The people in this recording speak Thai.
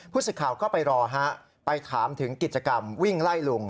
สิทธิ์ข่าวก็ไปรอฮะไปถามถึงกิจกรรมวิ่งไล่ลุง